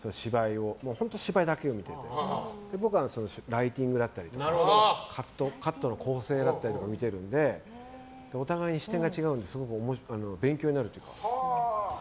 本当に芝居だけを見てて僕はライティングだったりとかカットの構成だったりとかを見てるのでお互いに視点が違うのですごく勉強になるというか。